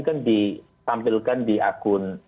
kan ditampilkan di akun